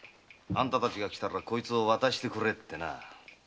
あんたたちが来たらこいつを渡してくれってな。